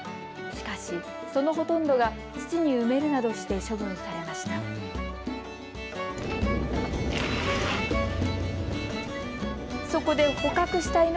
しかし、そのほとんどが土に埋めるなどして処分されました。